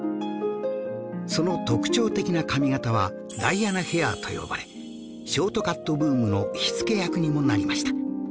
その特徴的な髪形はダイアナヘアと呼ばれショートカットブームの火付け役にもなりました